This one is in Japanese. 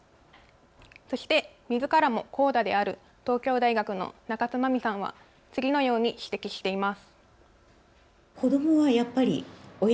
そして、みずからもＣＯＤＡである東京大学の中津真美さんは次のように指摘しています。